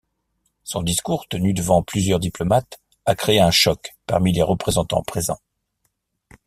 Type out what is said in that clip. Son discours tenu devant plusieurs diplomates a créé un choc parmi les représentants présents.